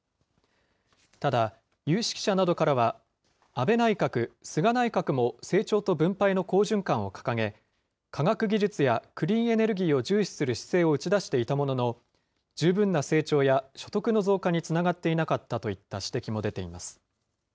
ただ、有識者などからは、安倍内閣、菅内閣も成長と分配の好循環を掲げ、科学技術やクリーンエネルギーを重視する姿勢を打ち出していたものの、十分な成長や所得の増加につながっていなかったといった指摘も出ています。